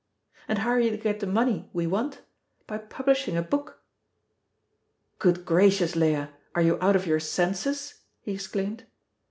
And how are you to get the money we want? By publishing a book!" "Good gracious, Leah! are you out of your senses?" he exclaimed.